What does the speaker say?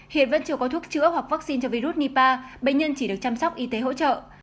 hiện vẫn chưa có thuốc chữa hoặc vaccine cho virus npa bệnh nhân chỉ được chăm sóc y tế hỗ trợ